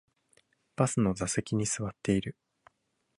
バスの座席に座っている